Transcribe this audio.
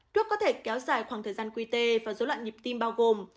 thuốc có thể kéo dài khoảng thời gian quy tê và dấu loạn nhịp tim bao gồm